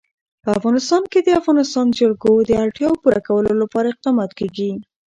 په افغانستان کې د د افغانستان جلکو د اړتیاوو پوره کولو لپاره اقدامات کېږي.